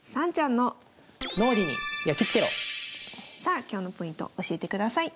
それではさあ今日のポイント教えてください。